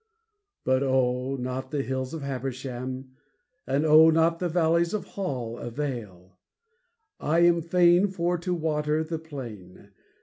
But oh, not the hills of Habersham, And oh, not the valleys of Hall Avail: I am fain for to water the plain.